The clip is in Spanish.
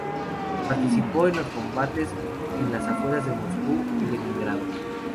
Participó en los combates en las afueras de Moscú y Leningrado.